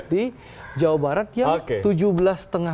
di jawa barat yang